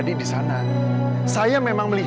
berbicara kalung nyata bapak di tim ini